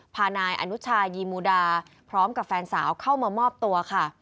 พานายอนุชายีมูดาพร้อมกับแฟนสาวเข้ามามอบตัวค่ะ